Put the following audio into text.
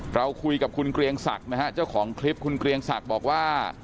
เราคุยกับคุณเกรียงศักดิ์นะฮะเจ้าของคลิปคุณเกรียงศักดิ์บอกว่า